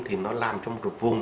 thì nó làm trong vùng